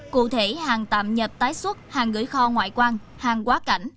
cụ thể hàng tạm nhập tái xuất hàng gửi kho ngoại quan hàng quá cảnh